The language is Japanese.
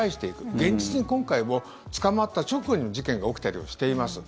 現実に今回も捕まった直後にも事件が起きたりしています。